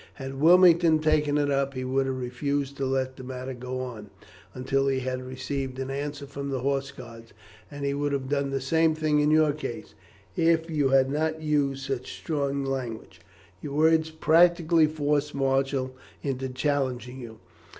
Had Wilmington taken it up, he would have refused to let the matter go on, until he had received an answer from the Horse guards; and he would have done the same in your case, if you had not used such strong language. Your words practically forced Marshall into challenging you.